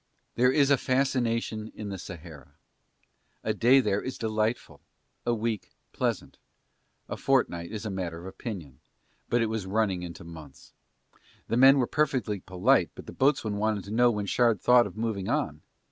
There is a fascination in the Sahara, a day there is delightful, a week is pleasant, a fortnight is a matter of opinion, but it was running into months. The men were perfectly polite but the boatswain wanted to know when Shard thought of moving on.